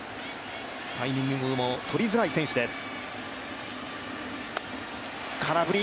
タイミングもとりづらい選手です。